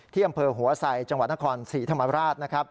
ที่อำเภอหัวไสจังหวัดนคร๔ธรรมราช